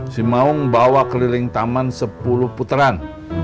si maung bawa keliling taman sepuluh puteran